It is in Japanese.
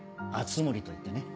『敦盛』といってね